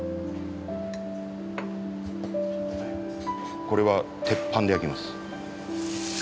これは鉄板で焼きます。